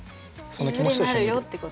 いずれなるよってこと。